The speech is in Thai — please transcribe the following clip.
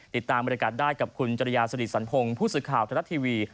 ติดตามบริการได้กับคุณจริยาศรีสันพงศ์ผู้สื่อข่าวทรัฐทีวี